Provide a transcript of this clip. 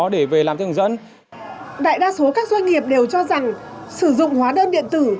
đại đa số các doanh nghiệp đều cho rằng sử dụng hóa đơn điện tử